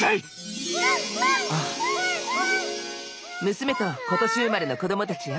娘と今年生まれの子どもたちよ。